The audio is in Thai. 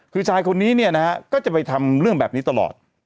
คือชายคนนี้เนี่ยนะฮะก็จะไปทำเรื่องแบบนี้ตลอด